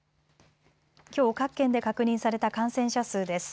きょう各県で確認された感染者数です。